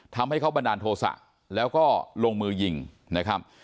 ทำให้เขาบันดาลโทษะแล้วก็ลงมือยิงนะครับ